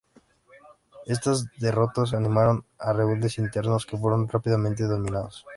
Estas derrotas animaron a rebeldes internos, que fueron rápidamente dominados.